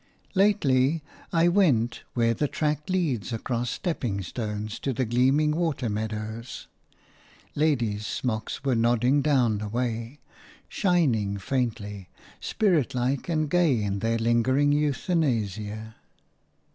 Lately I went where the track leads across stepping stones to the gleaming water meadows. Lady's smocks were nodding down the way, shining faintly, spiritlike and gay in their lingering euthanasia.